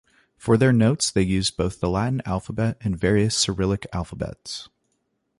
For their notes they used both the Latin alphabet and various Cyrillic alphabets.